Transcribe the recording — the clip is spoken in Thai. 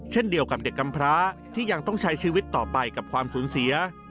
เช่นเดียวกับเด็กกำพร้าที่ยังต้องใช้ชีวิตต่อไปกับความสูญเสีย